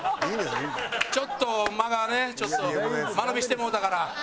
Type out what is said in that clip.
ちょっと間がねちょっと間延びしてもうたから。